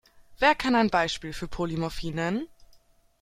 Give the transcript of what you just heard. Wer kann ein Beispiel für Polymorphie nennen?